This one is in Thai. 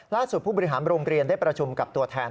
ผู้บริหารโรงเรียนได้ประชุมกับตัวแทน